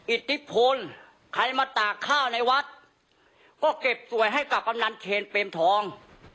อิทธิพลใครมาตากข้าวในวัดก็เก็บสวยให้กับกำนันเคนเปรมทอง